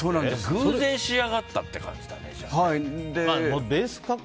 偶然仕上がったっていう感じだね。